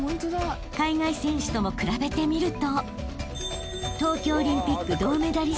［海外選手とも比べてみると］